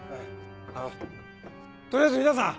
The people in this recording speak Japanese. あの取りあえず皆さん